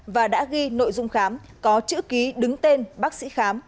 và đã ghi nội dung khám có chữ ký đứng tên bác sĩ khám